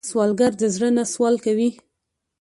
سوالګر د زړه نه سوال کوي